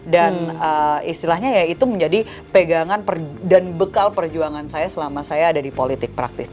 dan istilahnya ya itu menjadi pegangan dan bekal perjuangan saya selama saya ada di politik praktis